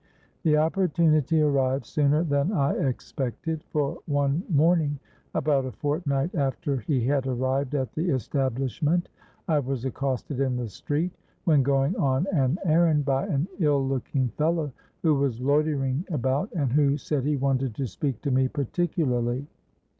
The opportunity arrived sooner than I expected; for one morning—about a fortnight after he had arrived at the establishment—I was accosted in the street, when going on an errand, by an ill looking fellow who was loitering about, and who said he wanted to speak to me particularly.